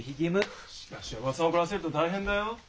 しかしおばさん怒らせると大変だよ。